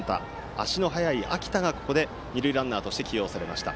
足の速い秋田が二塁ランナーに起用されました。